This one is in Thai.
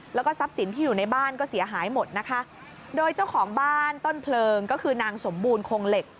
แล้วก็ทรัพย์สินที่อยู่ในบ้านก็เสียหายหมดนะคะโดยเจ้าของบ้านต้นเพลิงก็คือนางสมบูรณคงเหล็ก